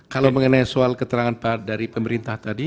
kalau mengenai soal keterangan dari pemerintah tadi